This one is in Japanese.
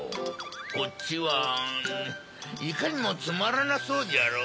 こっちはいかにもつまらなそうじゃろ。